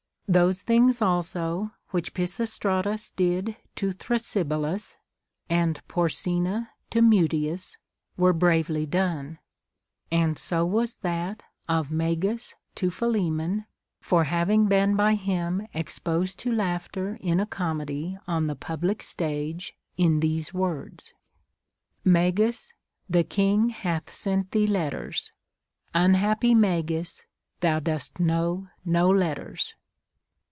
Those things also which Pisistra tus did to Thrasybulus, and Porsena to Mutius, were bravely done ; and so was that of Magas to Philemon, for having been by him exposed to laughter in a comedy on the public stage, in these words :— Magas, the king hath sent thee letters : Unliappy Magas, thou dost know no letters.